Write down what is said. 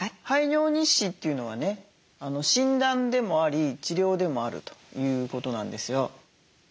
排尿日誌というのはね診断でもあり治療でもあるということなんですよ。